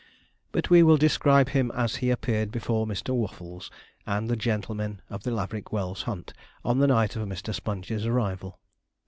But we will describe him as he appeared before Mr. Waffles, and the gentlemen of the Laverick Wells Hunt, on the night of Mr. Sponge's arrival.